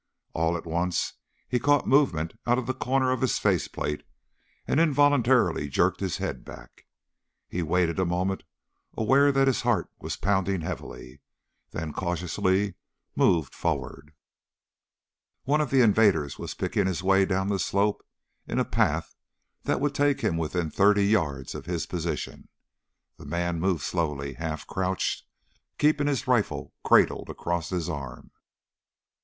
All at once he caught movement out of the corner of his face plate and involuntarily jerked his head back. He waited a moment, aware that his heart was pounding heavily, then cautiously moved forward. One of the invaders was picking his way down the slope in a path that would take him within thirty yards of his position. The man moved slowly, half crouched, keeping his rifle cradled across his arm.